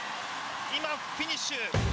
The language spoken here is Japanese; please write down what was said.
今、フィニッシュ。